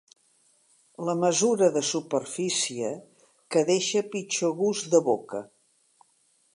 La mesura de superfície que deixa pitjor gust de boca.